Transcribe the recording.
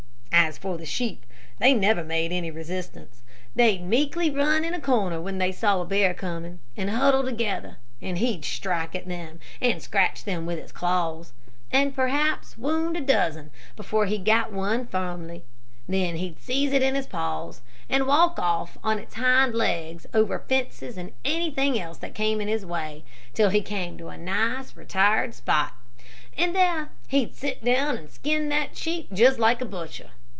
"As for the sheep, they never made any resistance. They'd meekly run in a corner when they saw a bear coming, and huddle together, and he'd strike at them, and scratch them with his claws, and perhaps wound a dozen before he got one firmly. Then he'd seize it in his paws, and walk off on his hind legs over fences and anything else that came in his way, till he came to a nice, retired spot, and there he' d sit down and skin that sheep just like a butcher.